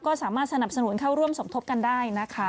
ก็สามารถสนับสนุนเข้าร่วมสมทบกันได้นะคะ